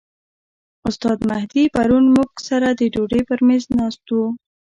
استاد مهدي پرون موږ سره د ډوډۍ پر میز ناست و.